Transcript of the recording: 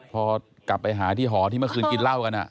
พอกลับไปหาที่หอที่เมื่อคืนกินเหล้ากัน